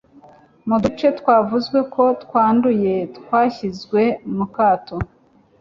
mu duce twavuzwe ko twanduye twashyizwe mukato